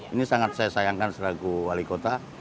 ini sangat saya sayangkan selaku wali kota